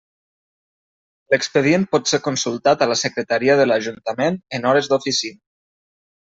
L'expedient pot ser consultat a la Secretaria de l'Ajuntament en hores d'oficina.